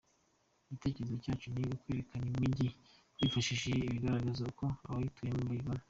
Igitekerezo cyacu ni ukwerekana imijyi twifashishije ibigaragaza uko abayituyemo bayibona”.